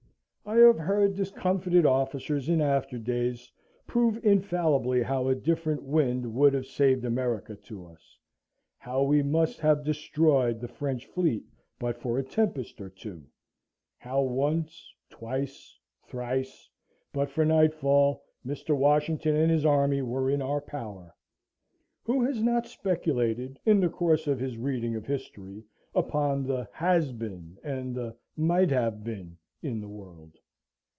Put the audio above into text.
I have heard discomfited officers in after days prove infallibly how a different wind would have saved America to us; how we must have destroyed the French fleet but for a tempest or two; how once, twice, thrice, but for nightfall, Mr. Washington and his army were in our power. Who has not speculated, in the course of his reading of history, upon the "Has been" and the "Might have been" in the world?